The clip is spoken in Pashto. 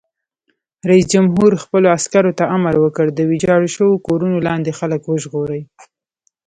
رئیس جمهور خپلو عسکرو ته امر وکړ؛ د ویجاړو شویو کورونو لاندې خلک وژغورئ!